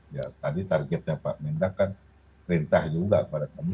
ya tadi targetnya pak minda kan rintah juga pada kami